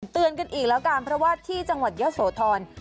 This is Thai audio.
เตือนกันอีกแล้วกันเพราะว่าที่จังหวัดเยอะโสธร